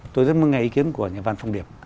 tôi rất mừng nghe ý kiến của nhà văn phong điệp